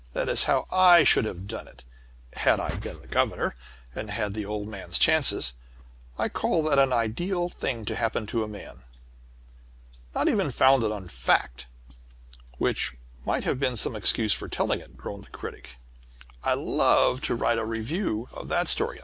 That is how I should have done it, had I been the governor, and had the old man's chances. I call that an ideal thing to happen to a man." "Not even founded on fact which might have been some excuse for telling it," groaned the Critic. "I'd love to write a review of that story.